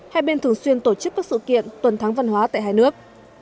hai bên thường xuyên tổ chức các sự kiện tuần thắng văn hóa tại hai nước